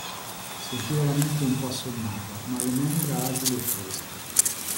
Sentiva la mente un po' assonnata, ma le membra agili e fresche.